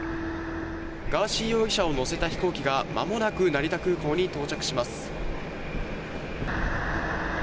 ガーシー容疑者を乗せた飛行機が、まもなく成田空港に到着します。